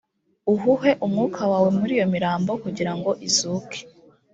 uhuhe umwuka wawe muri iyo mirambo kugira ngo izuke